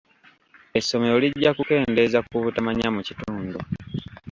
Essomero lijja kukendeeza ku butamanya mu kitundu.